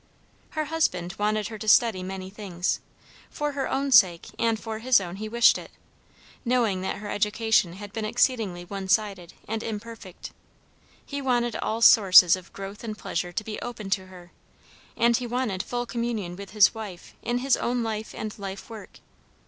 Her husband wanted her to study many things; for her own sake and for his own sake he wished it, knowing that her education had been exceedingly one sided and imperfect; he wanted all sources of growth and pleasure to be open to her, and he wanted full communion with his wife in his own life and life work.